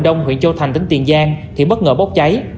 đông huyện châu thành tỉnh tiền giang thì bất ngờ bốc cháy